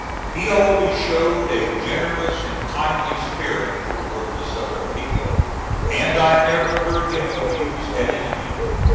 He always showed a generous and kindly spirit toward the Southern people, and I never heard him abuse an enemy.